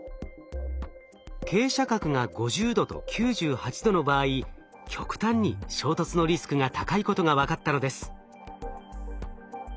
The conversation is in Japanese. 傾斜角が５０度と９８度の場合極端に衝突のリスクが高いことが分かったのです。